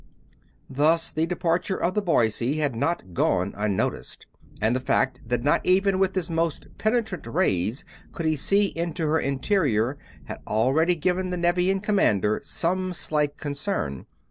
Thus the departure of the Boise had not gone unnoticed, and the fact that not even with his most penetrant rays could he see into her interior had already given the Nevian commander some slight concern.